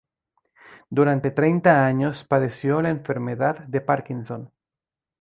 Durante treinta años padeció la enfermedad de Parkinson.